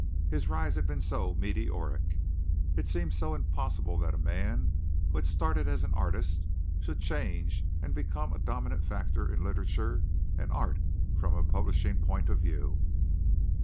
His rise had been so meteoric. It seemed so impossible that a man who had started as an artist should change and become a dominant factor in literature and art from a publishing point of view.